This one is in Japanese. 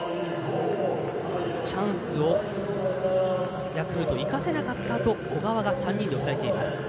チャンスをヤクルト生かせなかったあと小川が３人で抑えています。